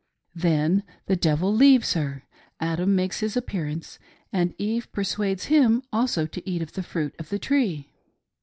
Then the devil leaves her, Adam makes his appearance, and Eve persuades him also to eat of the fruit of the tree.